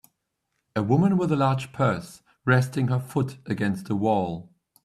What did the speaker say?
A woman with a large purse resting her foot against a wall.